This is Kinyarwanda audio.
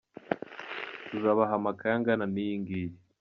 Tuzabaha amakaye angana niyingiyi.